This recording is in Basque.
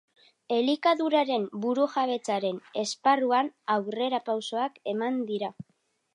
Elikaduraren burujabetzaren esparruan aurrerapausoak eman dira.